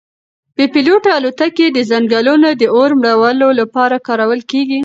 بې پیلوټه الوتکې د ځنګلونو د اور مړولو لپاره کارول کیږي.